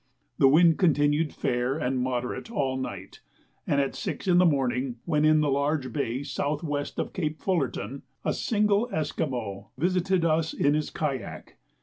The wind continued fair and moderate all night, and at 6 in the morning, when in the large bay S.W. of Cape Fullerton, a single Esquimaux visited us in his kayak.